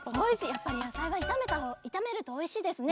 やっぱりやさいはいためるとおいしいですね。